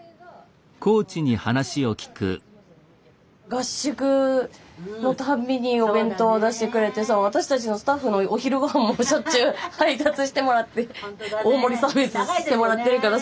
合宿のたんびにお弁当を出してくれて私たちのスタッフのお昼御飯もしょっちゅう配達してもらって大盛りサービスしてもらってるから。